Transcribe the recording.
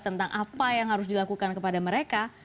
tentang apa yang harus dilakukan kepada mereka